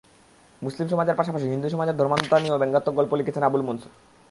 মুসলিম সমাজের পাশাপাশি হিন্দু সমাজের ধর্মান্ধতা নিয়েও ব্যঙ্গাত্মক গল্প লিখেছেন আবুল মনসুর।